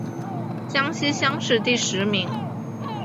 江西乡试第十名。